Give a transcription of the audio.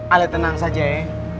alek tenang saja ya